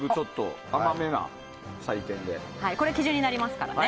これが基準になりますからね。